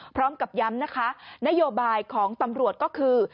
พร้อมกับย้ำนะคะนโยบายของตำรวจก็คือ